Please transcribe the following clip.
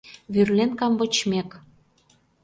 Вӱрлен камвочмек